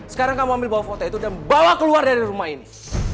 sekarang kamu ambil bawa foto itu dan bawa keluar dari rumah ini